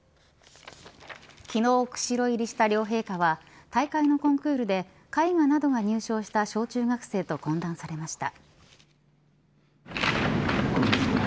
昨日、釧路入りした両陛下は大会のコンクールで絵画などが入賞した小中学生と懇談されました。